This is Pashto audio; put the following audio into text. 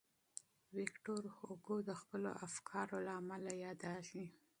ویکټور هوګو د خپلو افکارو له امله یادېږي.